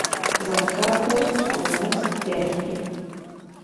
Zaķkāposti, sūnas, ķērpji.